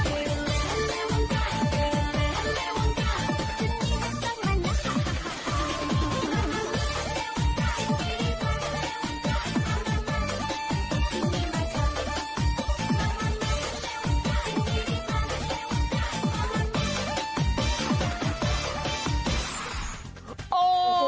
โอ้โห